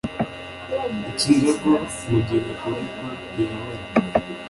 ikirego mu gihe uregwa wemera